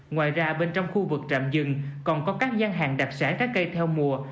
ngoài ra bên trong khu vực trạm dừng còn có các gian hàng đặc sản trái cây theo mùa